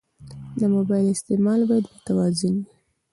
د موبایل استعمال باید متوازن وي.